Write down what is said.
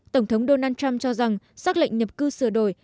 tổng thống donald trump cho rằng xác lệnh nhập cư sửa đổi